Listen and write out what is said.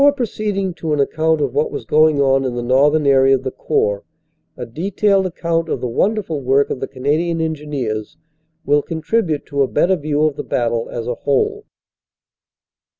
Before proceeding to an account of what was going on in the northern area of the Corps, a detailed account of the won derful work of the Canadian Engineers will contribute to a better view of the battle as a whole.